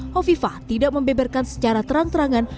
hovifah tidak membeberkan secara terang terangan